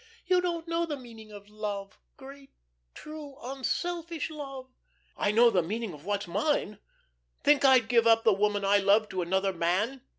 You don't know the meaning of love great, true, unselfish love." "I know the meaning of what's mine. Think I'd give up the woman I loved to another man?"